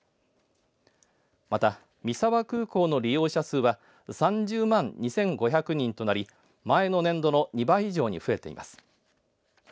また、三沢空港の利用者数は３０万２５００人となり前の年度の２倍以上に増えています。